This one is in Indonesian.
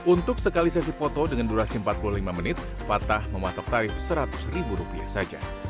untuk sekali sesi foto dengan durasi empat puluh lima menit fatah mematok tarif seratus ribu rupiah saja